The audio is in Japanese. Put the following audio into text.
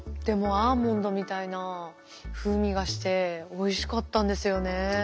でもアーモンドみたいな風味がしておいしかったんですよね。